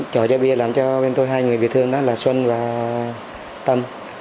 chọi ra bia làm cho bên tôi hai người bị thương đó là xuân và tâm